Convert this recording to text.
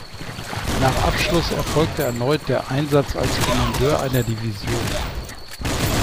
Nach Abschluss erfolgte erneut der Einsatz als Kommandeur einer Division.